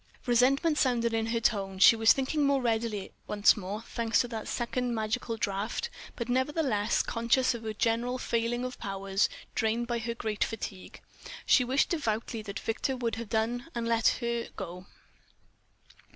Resentment sounded in her tone. She was thinking more readily once more, thanks to that second magical draught, but was nevertheless conscious of a general failing of powers drained by her great fatigue. She wished devoutly that Victor would have done and let her go....